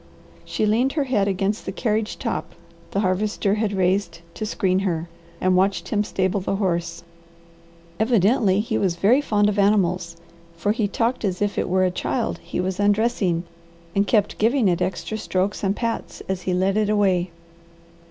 She leaned her head against the carriage top the Harvester had raised to screen her, and watched him stable the horse. Evidently he was very fond of animals for he talked as if it were a child he was undressing and kept giving it extra strokes and pats as he led it away.